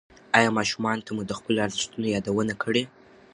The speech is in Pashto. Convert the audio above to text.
ایا ماشومانو ته مو د خپلو ارزښتونو یادونه کړې؟